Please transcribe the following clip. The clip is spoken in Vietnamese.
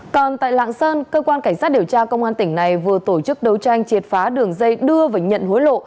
còn tại lạng sơn cơ quan cảnh sát điều tra công an tỉnh này vừa tổ chức đấu tranh triệt phá đường dây đưa và nhận hối lộ